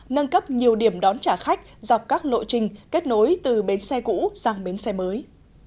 nâng cấp nhiều điểm đón trả khách dọc các lộ trình kết nối từ bến xe cũ sang bến xe mới